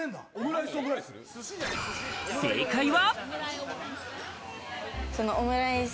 正解は。